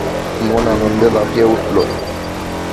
মন আনন্দে লাফিয়ে উঠল।